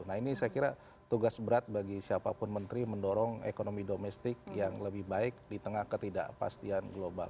nah ini saya kira tugas berat bagi siapapun menteri mendorong ekonomi domestik yang lebih baik di tengah ketidakpastian global